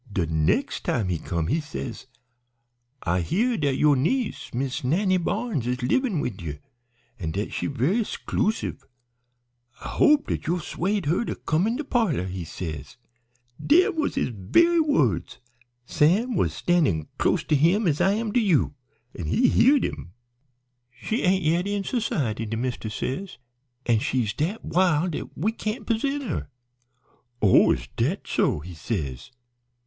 "De nex' time he come he says, 'I hear dat yo'r niece, Miss Nannie Barnes, is livin' wid you, an' dat she is ve'y 'sclusive. I hope dat you'll 'suade her to come in de parlor,' he says. Dem was his ve'y words. Sam was a standin' close to him as I am to you an' he heared him. "'She ain't yet in s'ciety,' de mist'ess says, 'an' she's dat wild dat we can't p'esent her.' "'Oh! is dat so?' he says.